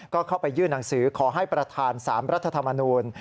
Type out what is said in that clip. ก็เข้าไปยื่นหนังสือขอให้ประธาน๓รัฐธรรมนูล